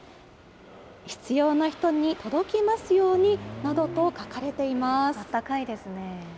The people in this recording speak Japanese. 必要な人に届きますようになどと温かいですね。